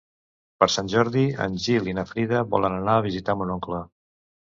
Per Sant Jordi en Gil i na Frida volen anar a visitar mon oncle.